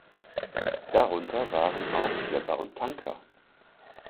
Darunter waren auch Schlepper und Tanker.